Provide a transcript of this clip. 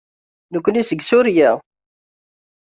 Nekkini seg Surya.